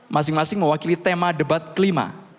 masing masing mewakili tema debat kelima